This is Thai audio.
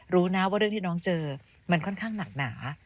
รู้นะว่าเรื่องที่น้องเจอมันค่อนข้างหนักหนา